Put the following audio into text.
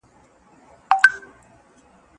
کېدای سي مځکه وچه وي!!